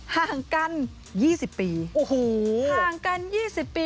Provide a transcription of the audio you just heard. ห่างกัน๒๐ปี